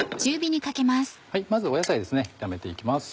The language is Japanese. まず野菜炒めて行きます。